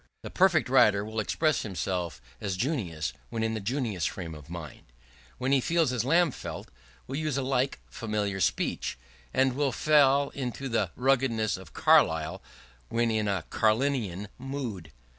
The perfect writer will express himself as Junius, when in the Junius frame of mind; when he feels as Lamb felt, will use a like familiar speech; and will fall into the ruggedness of Carlyle when in a Carlylean mood.